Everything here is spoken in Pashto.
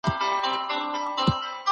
ما به د شفق مياشتنۍ لټوله.